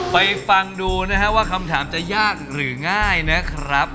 ฟังดูนะฮะว่าคำถามจะยากหรือง่ายนะครับ